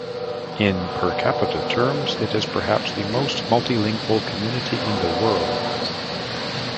In per capita terms, it is perhaps the most multilingual community in the world.